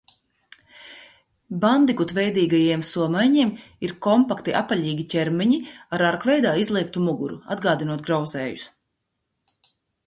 Bandikutveidīgajiem somaiņiem ir kompakti, apaļīgi ķermeņi ar arkveidā izliektu muguru, atgādinot grauzējus.